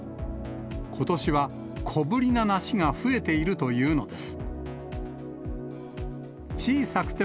ことしは小ぶりな梨が増えているというのです。